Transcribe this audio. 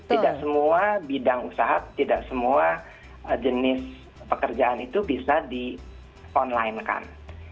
tidak semua bidang usaha tidak semua jenis pekerjaan itu bisa di online kan